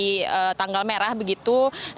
jadi tanggal merah begitu